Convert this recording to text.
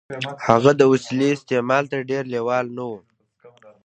هغه د وسيلې استعمال ته ډېر لېوال نه و.